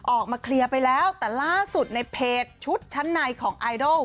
ออกมาเคลียร์ไปแล้วแต่ล่าสุดในเพจชุดชั้นในของไอดอล